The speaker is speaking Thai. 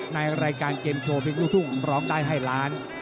ในรายการเกมโชว์เพลงลูกทุ่งร้องได้ให้ล้าน